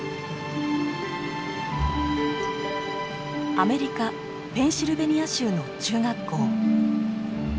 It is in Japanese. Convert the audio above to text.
アメリカ・ペンシルベニア州の中学校。